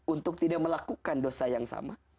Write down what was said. untuk tidak melakukan dosa yang sama